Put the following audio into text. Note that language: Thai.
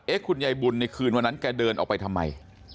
คุณยายบุญในคืนวันนั้นแกเดินออกไปทำไม